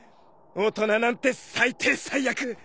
大人なんて最低最悪。